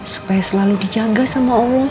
supaya selalu dijaga sama allah